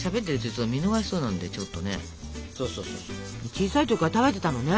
小さい時から食べてたのね？